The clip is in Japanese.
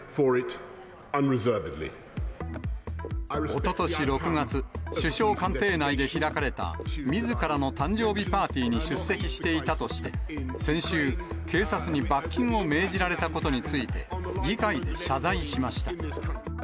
おととし６月、首相官邸内で開かれた、みずからの誕生日パーティーに出席していたとして、先週、警察に罰金を命じられたことについて、議会で謝罪しました。